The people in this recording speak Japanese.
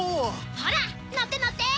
ほら乗って乗って。